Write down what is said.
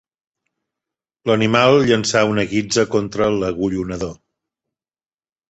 L'animal llançà una guitza contra l'agullonador.